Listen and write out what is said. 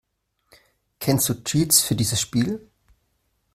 Kennst du Cheats für dieses Spiel?